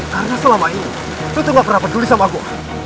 karena selama ini lu tuh gak pernah peduli sama aku